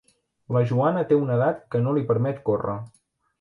La Joana té una edat que no li permet córrer.